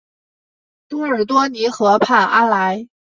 多尔多尼河畔阿莱。